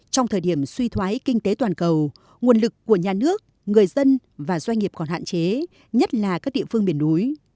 trong thời điểm suy thoái kinh tế toàn cầu nguồn lực của nhà nước người dân và doanh nghiệp còn hạn chế nhất là các địa phương miền núi